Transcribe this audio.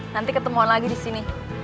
nanti ketemuan lagi disini